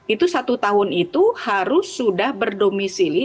itu satu tahun itu harus sudah berdomisili